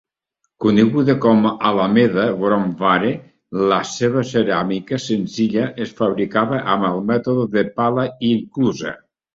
Coneguda com Alameda Brown Ware, la seva ceràmica senzilla es fabricava amb el mètode de pala i enclusa.